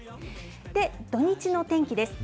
土日の天気です。